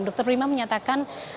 dokter prima menyatakan